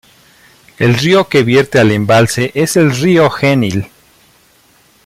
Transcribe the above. El río que vierte al embalse es el río Genil.